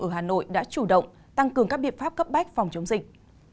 ở hà nội đã chủ động tăng cường các biện pháp cấp bách phòng chống dịch